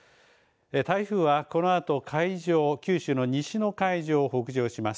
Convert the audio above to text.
台風は、このあと海上を九州の西の海上を北上します。